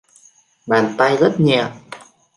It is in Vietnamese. Bàn tay rất nhẹ